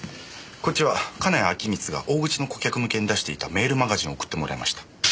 こっちは金谷陽充が大口の顧客向けに出していたメールマガジンを送ってもらいました。